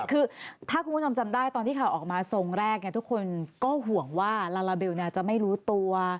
คือถ้าคุณผู้ชมจำได้ตอนที่ข่าวออกมาทรงแรกทุกคนก็ห่วงว่าลาลาเบลจะไม่รู้ตัว